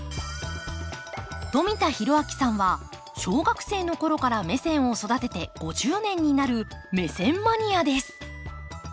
富田裕明さんは小学生の頃からメセンを育てて５０年になるメセンマニアです。